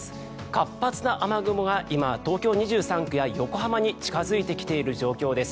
活発な雨雲が今東京２３区や横浜に近付いてきている状況です。